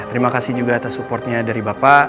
terima kasih juga atas supportnya dari bapak